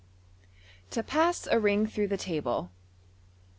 To Pass a Ring through the Table.